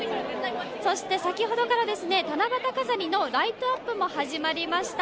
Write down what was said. そして、先ほどから七夕飾りのライトアップも始まりました。